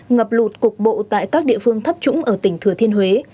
ngập lụt cục bộ tại các địa phương thấp trũng ở tỉnh thừa thiên huế